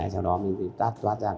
sau đó mình tắt toát ra